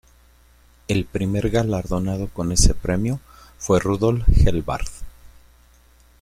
El primer galardonado con ese premio fue Rudolf Gelbard.